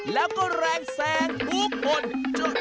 แล้วก็แรงแสงพูดหมด